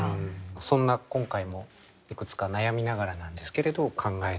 そんな今回もいくつか悩みながらなんですけれど考えてみました。